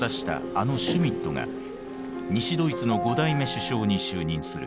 あのシュミットが西ドイツの５代目首相に就任する。